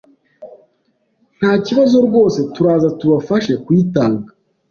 nta kibazo rwose turaza tubafashe kuyitanga.